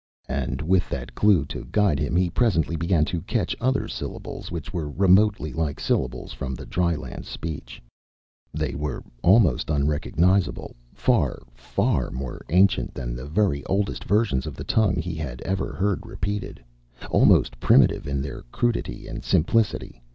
And with that clue to guide him he presently began to catch other syllables which were remotely like syllables from the dryland speech. They were almost unrecognizable, far, far more ancient than the very oldest versions of the tongue he had ever heard repeated, almost primitive in their crudity and simplicity.